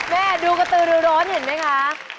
แม่ดูกระตือร่วนเห็นไหมครับ